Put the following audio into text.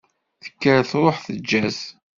Tekker truḥ teǧǧa-t.